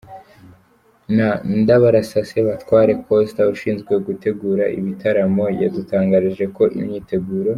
na Ndabarasa Sebatware Costa ushinzwe gutegura ibi bitaramo, yadutangarije ko imyiteguro.